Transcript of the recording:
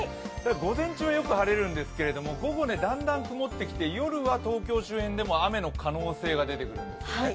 午前中はよく晴れるんですが午後だんだん曇ってきて、夜、東京でも雨の可能性が出てくるんですよね。